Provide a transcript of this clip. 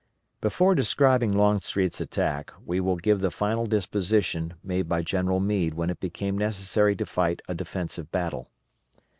Before describing Longstreet's attack we will give the final disposition made by General Meade when it became necessary to fight a defensive battle.